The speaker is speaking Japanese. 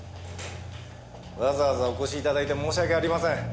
わざわざお越し頂いて申し訳ありません。